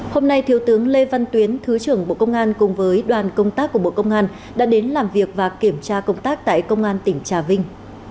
hôm nay thiếu tướng lê văn tuyến thứ trưởng bộ công an cùng với đoàn công tác của bộ công an đã đến làm việc và kiểm tra công tác tại công an tỉnh trà vinh